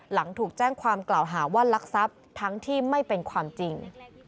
หลังถูกแจ้งความกล่าวหาว่าลักทรัพย์ทั้งที่ไม่เป็นความจริง